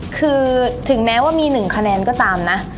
คือถึงแม้ว่ามี๑คะแนนก็ตามนะ